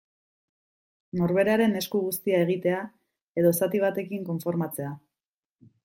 Norberaren esku guztia egitea, edo zati batekin konformatzea.